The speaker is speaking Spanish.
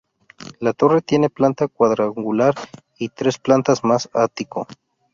La torre tiene planta cuadrangular y tres plantas más ático.